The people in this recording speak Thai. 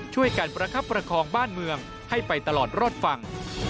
ช่วยกันประคับประคองบ้านเมืองให้ไปตลอดรอดฝั่ง